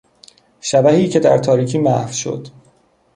شبحی که در تاریکی محو شد